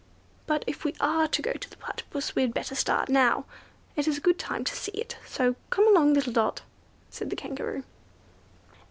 But if we are to go to the Platypus we had better start now; it is a good time to see it—so come along, little Dot," said the Kangaroo.